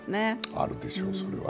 あるでしょう、それは。